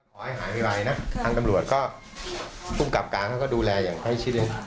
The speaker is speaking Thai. ขอให้หายไปไว้นะทางตำรวจก็กลุ่มกลับกลางก็ดูแลอย่างให้ชิดเอง